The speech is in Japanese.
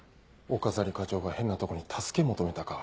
お飾り課長が変なとこに助け求めたか。